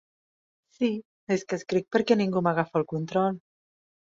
Sí, és que escric perquè ningú m'agafa el control.